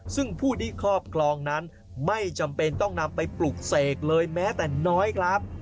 ซึ่งผู้ที่ครอบครองนั้นไม่จำเป็นต้องนำไปปลุกเสกเลยแม้แต่น้อยครับ